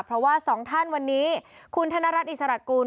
เพราะว่าสองท่านวันนี้คุณธนรัฐอิสระกูล